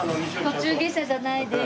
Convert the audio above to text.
『途中下車』じゃないです。